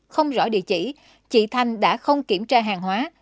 không rõ địa chỉ chị thanh đã không kiểm tra hàng hóa